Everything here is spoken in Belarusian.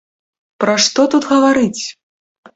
Пра што тут гаварыць!